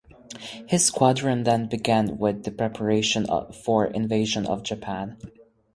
His squadron then began with the preparation for Invasion of Japan.